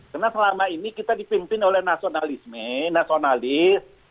karena selama ini kita dipimpin oleh nasionalisme nasionalis